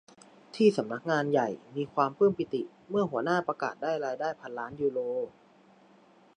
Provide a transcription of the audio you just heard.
ที่สำนักงานใหญ่มีความปลื้มปีติเมื่อหัวหน้าประกาศได้รายได้พันล้านยูโร